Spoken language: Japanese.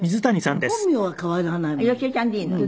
本名は変わらないもの。